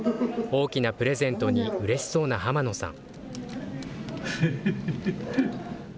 大きなプレゼントにうれしそうな濱野さん。